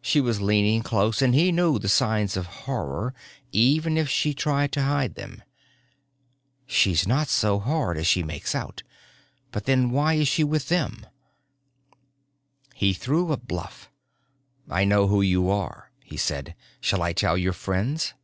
She was leaning close and he knew the signs of horror even if she tried to hide them. She's not so hard as she makes out but then why is she with them? He threw a bluff. "I know who you are," he said. "Shall I tell your friends?"